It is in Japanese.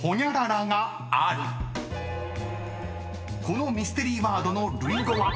［このミステリーワードの類語は］